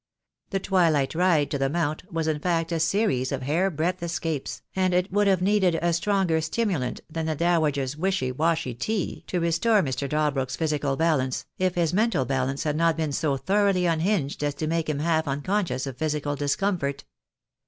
The twilight ride to the Mount was in fact a series of hairbreadth escapes, and it would have needed a stronger stimulant than the Dowager's wishy washy tea to restore Mr. Dal brook's physical balance, if his mental balance had not been so thoroughly unhinged as to make him half uncon scious of physical discomfort.